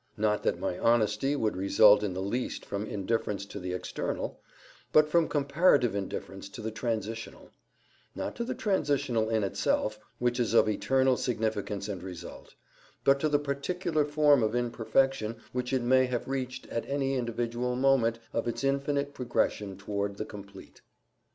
Not that my honesty would result in the least from indifference to the external—but from comparative indifference to the transitional; not to the transitional in itself, which is of eternal significance and result, but to the particular form of imperfection which it may have reached at any individual moment of its infinite progression towards the complete.